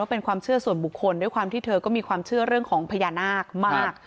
เป็นความเชื่อส่วนบุคคลด้วยความที่เธอก็มีความเชื่อเรื่องของพญานาคมาก